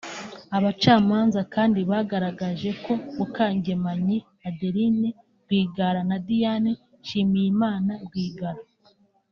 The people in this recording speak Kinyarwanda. Abacamanza kandi bagaragaje ko Mukangemanyi Adeline Rwigara na Diane Nshimiyimana Rwigara